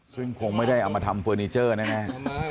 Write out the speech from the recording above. ซึ่งคงไม่ได้เอามาทำเฟอร์นิเจอร์แน่